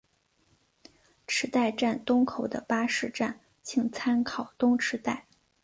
池袋站东口的巴士站请参照东池袋。